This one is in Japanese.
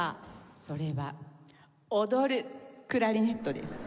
それは踊るクラリネットです。